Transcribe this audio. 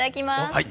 はい！